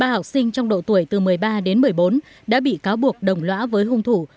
ba học sinh trong độ tuổi từ một mươi ba đến một mươi bốn đã bị cáo buộc đồng lõa với hung thủ